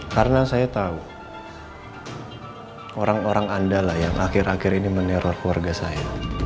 karena saya tahu orang orang andalah yang akhir akhir ini meneror keluarga saya